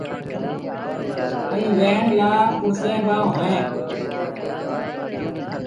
ائيٚݩ ويهڻ لآ ڪرسيٚݩ با اوهيݩ۔